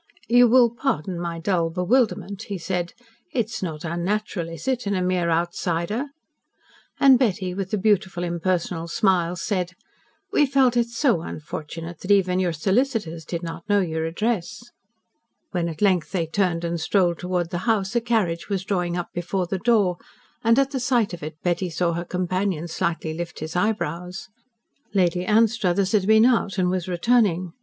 "You will pardon my dull bewilderment," he said. "It is not unnatural, is it in a mere outsider?" And Betty, with the beautiful impersonal smile, said: "We felt it so unfortunate that even your solicitors did not know your address." When, at length, they turned and strolled towards the house, a carriage was drawing up before the door, and at the sight of it, Betty saw her companion slightly lift his eyebrows. Lady Anstruthers had been out and was returning.